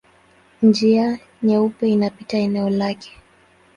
Njia Nyeupe inapita eneo lake.